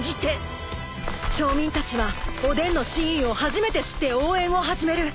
［町民たちはおでんの真意を初めて知って応援を始める。